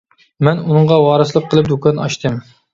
مەن ئۇنىڭغا ۋارىسلىق قىلىپ دۇكان ئاچتىم.